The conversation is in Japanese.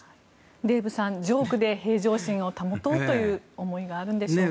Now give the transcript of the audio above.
デーブさんジョークで平常心を保とうという思いがあるんでしょうか。